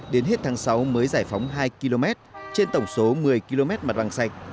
đến hết tháng sáu mới giải phóng hai km trên tổng số một mươi km mặt bằng sạch